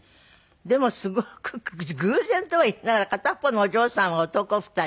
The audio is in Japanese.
でもすごく偶然とはいいながら片っぽのお嬢さんは男２人。